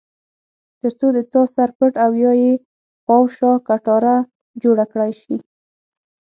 ترڅو د څاه سر پټ او یا یې خواوشا کټاره جوړه کړای شي.